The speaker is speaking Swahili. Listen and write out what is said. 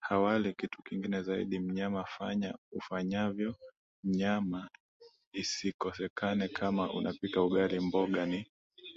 hawali kitu kingine zaidi nyama Fanya ufanyavyo nyama isikosekane Kama unapika ugali mboga ni